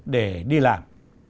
để đi làm